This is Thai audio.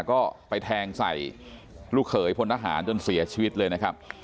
ก็ไปแทงใส่ลูกเขยพลทหารจนเสียชีวิตเลยนะครับ